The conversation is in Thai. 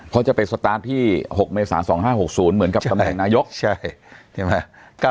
พอจะไปสตาร์ทที่๖เมษา๒๕๖๐เหมือนกับคำแข่งนายก